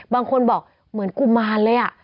บางคนบอกเหมือนกุมารเลย